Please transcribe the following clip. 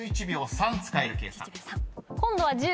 ３使える計算］